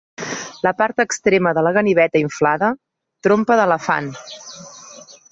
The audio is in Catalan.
La part extrema de la ganiveta inflada. Trompa d'elefant.